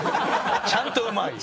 ちゃんとうまい。